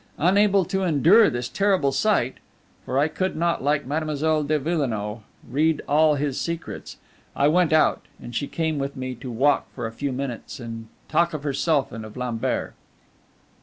Unable to endure this terrible sight for I could not, like Mademoiselle de Villenoix, read all his secrets I went out, and she came with me to walk for a few minutes and talk of herself and of Lambert.